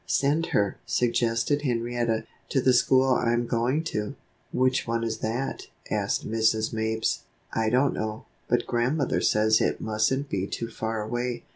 "Send her," suggested Henrietta, "to the school I'm going to." "Which one is that?" asked Mrs. Mapes. "I don't know; but Grandmother says it mustn't be too far away.